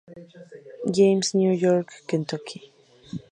James, New York, Kentucky.